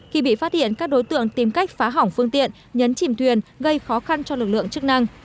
khi bị phát hiện các đối tượng tìm cách phá hỏng phương tiện nhấn chìm thuyền gây khó khăn cho lực lượng chức năng